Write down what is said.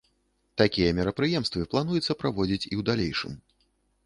Такія мерапрыемствы плануецца праводзіць і ў далейшым.